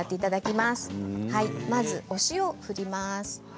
まずお塩を振ります。